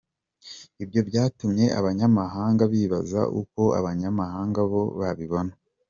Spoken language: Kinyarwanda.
Ibyo byatumye abanyamahanga bibaza uko abanyamahanga bo babibona.